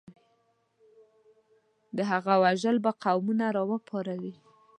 د هغه وژل به قومونه راوپاروي.